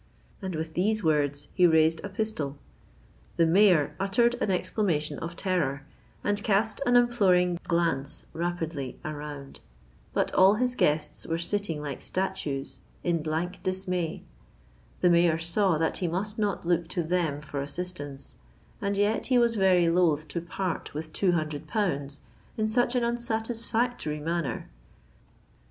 "—And, with these words, he raised a pistol. The Mayor uttered an exclamation of terror, and cast an imploring glance rapidly around. But all his guests were sitting like statues—in blank dismay. The Mayor saw that he must not look to them for assistance; and yet he was very loath to part with two hundred pounds in such an unsatisfactory manner.